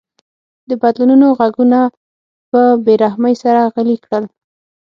د بدلونونو غږونه په بې رحمۍ سره غلي کړل.